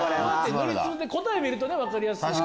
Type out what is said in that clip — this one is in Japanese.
答え見るとね分かりやすい。